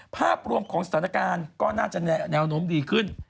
ภาพรวมของสถานการณ์ก็น่าจะแนวโน้มดีขึ้น